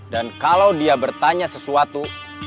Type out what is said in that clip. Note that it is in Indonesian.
dan kalau dia bertanya sesuatu